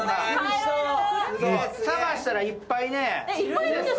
探したらいっぱいね。